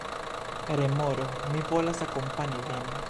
Remoro: "Mi volas akompani vin."